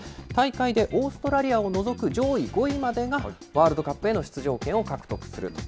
大会でオーストラリアを除く上位５位までがワールドカップへの出場権を獲得する。